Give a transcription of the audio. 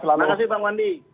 terima kasih bang wandi